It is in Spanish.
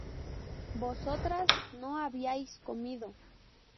Vosotras no habíais comido